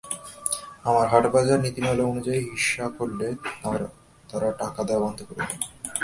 আমরা হাটবাজার নীতিমালা অনুযায়ী হিস্যা চাইলে তারা টাকা দেওয়া বন্ধ করে দেয়।